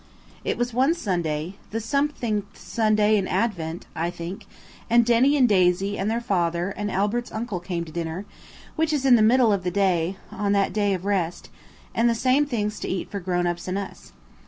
It was one Sunday–the Somethingth Sunday in Advent, I think–and Denny and Daisy and their father and Albert's uncle came to dinner, which is in the middle of the day on that day of rest and the same things to eat for grown ups and us.